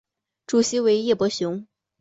主席为叶柏雄。